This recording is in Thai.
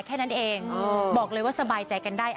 แค่นั้นเองบอกเลยว่าสบายใจกันได้